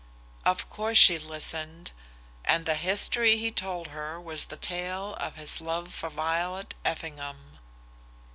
Of course she listened, and the history he told her was the tale of his love for Violet Effingham.